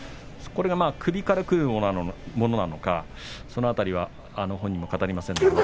これが首からくるものなのかその辺りは本人も語りません。